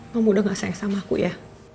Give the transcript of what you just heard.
kamu udah gak sayang sama aku ya